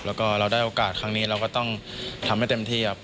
แล้วก็เราได้โอกาสครั้งนี้เราก็ต้องทำให้เต็มที่ครับ